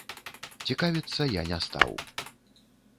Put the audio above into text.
Цікавіцца я не стаў.